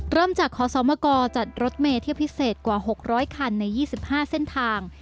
เริ่มจากขอสมกจัดรถเมเที่ยวพิเศษกว่า๖๐๐คันใน๒๕เส้นทาง